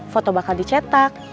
foto bakal dicetak